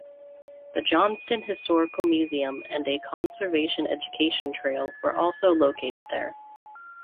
The Johnston Historical Museum and a conservation education trail were also located there.